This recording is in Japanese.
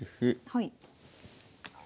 はい。